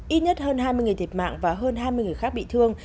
ít nhất hơn hai mươi người thiệt mạng và hơn hai mươi người khác bị thương